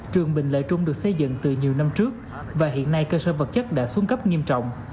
trường bình lợi trung được xây dựng từ nhiều năm trước và hiện nay cơ sở vật chất đã xuống cấp nghiêm trọng